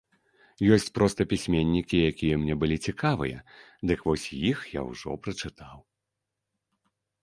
Ёсць проста пісьменнікі, якія мне былі цікавыя, дык вось іх я ўжо прачытаў.